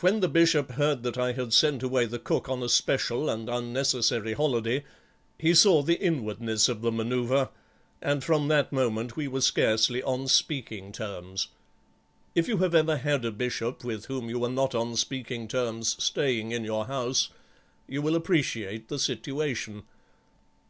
When the Bishop heard that I had sent away the cook on a special and unnecessary holiday he saw the inwardness of the manœuvre, and from that moment we were scarcely on speaking terms. If you have ever had a Bishop with whom you were not on speaking terms staying in your house, you will appreciate the situation."